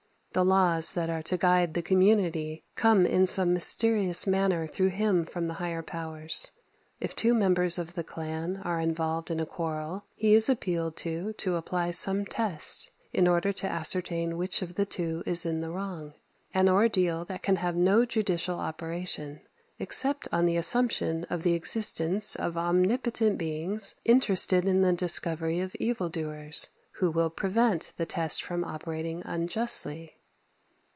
The laws that are to guide the community come in some mysterious manner through him from the higher powers. If two members of the clan are involved in a quarrel, he is appealed to to apply some test in order to ascertain which of the two is in the wrong an ordeal that can have no judicial operation, except upon the assumption of the existence of omnipotent beings interested in the discovery of evil doers, who will prevent the test from operating unjustly.